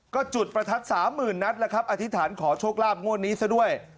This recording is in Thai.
ก็จุดประทัด๓๐๐๐นัดแล้วครับอธิษฐานขอโชคลาภงวดนี้ซะด้วย